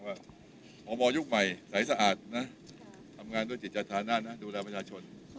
เพราะว่าออกบ่อยุคใหม่ใส่สะอาดทำงานด้วยจิตจัดฐานาศดูแลประชาชน